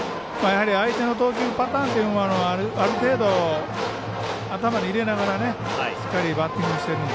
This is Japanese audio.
相手の投球パターンというものをある程度、頭に入れながらしっかりバッティングしてるので。